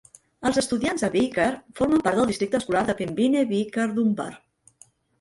Els estudiants a Beecher formen part del districte escolar de Pembine-Beecher-Dunbar.